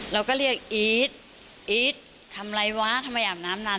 เราก็เรียกอีทอีททำอะไรวะทำไมอาบน้ำนาน